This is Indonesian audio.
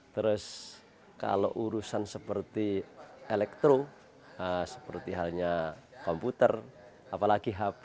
terus kalau urusan seperti elektro seperti halnya komputer apalagi hub